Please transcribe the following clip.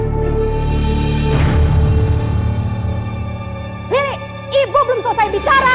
ini ibu belum selesai bicara